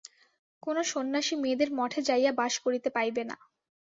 কোন সন্ন্যাসী মেয়েদের মঠে যাইয়া বাস করিতে পাইবে না।